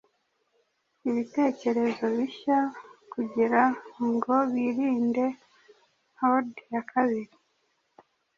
ibitekerezo bishya kugirango birinde hord ya kabiri